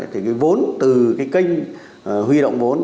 thì cái vốn từ cái kênh huy động vốn